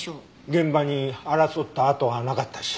現場に争った跡はなかったし。